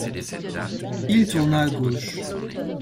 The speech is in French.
Il tourna à gauche.